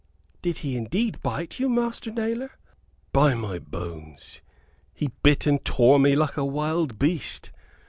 "Did he indeed bite you, Master Nailor?" "By my bones, he bit and tore me like a wild beast.